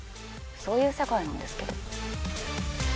そういう世界なんですけど？